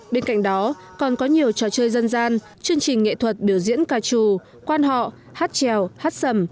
bên cạnh đó còn có nhiều trò chơi dân gian chương trình nghệ thuật biểu diễn ca trù quan họ hát trèo hát sầm